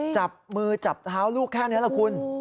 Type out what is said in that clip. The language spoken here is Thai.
จับมือจับเท้าลูกแค่นี้แหละคุณ